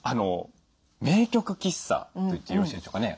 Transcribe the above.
名曲喫茶といってよろしいんでしょうかね